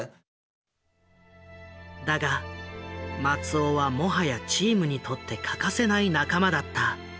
だが松尾はもはやチームにとって欠かせない仲間だった。